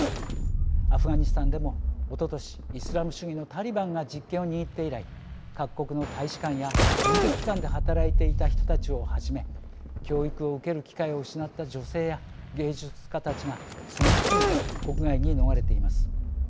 アフガニスタンでもおととし、イスラム主義のタリバンが実権を握って以来各国の大使館や援助機関で働いていた人たちをはじめ教育を受ける機会を失った女性や芸術家たちが次々と国外に逃れています。